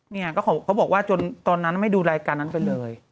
เนี่ยเขาบอกว่าจนตอนนั้นไม่ดูรายการนั้นไปเลย